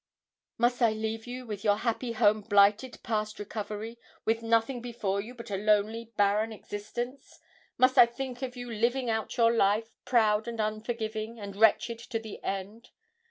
Must I leave you with your happy home blighted past recovery, with nothing before you but a lonely, barren existence? Must I think of you living out your life, proud and unforgiving, and wretched to the end?